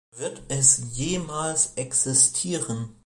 Wird es jemals existieren?